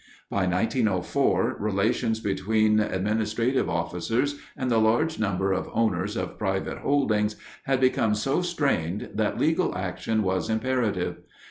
By 1904 relations between administrative officers and the large number of owners of private holdings had become so strained that legal action was imperative.